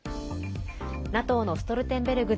ＮＡＴＯのストルテンベルグ